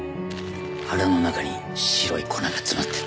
腹の中に白い粉が詰まってる。